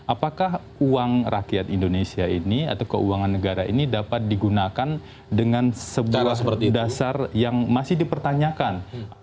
apakah uang rakyat indonesia ini atau keuangan negara ini dapat digunakan dengan sebuah dasar yang masih dipertanyakan